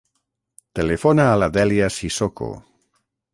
Telefona a la Dèlia Sissoko.